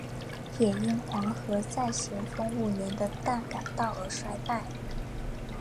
也因黄河在咸丰五年的大改道而衰败。